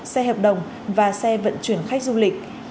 xe hợp đồng và xe vận chuyển khách du lịch